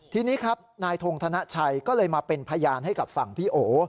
ทีนี้ครับนายทงธนชัยก็เลยมาเป็นพยานให้กับฝั่งพี่โอ